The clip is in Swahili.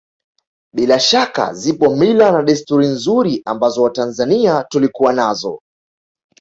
Bila shaka zipo mila na desturi nzuri ambazo Watanzania tulikuwa nazo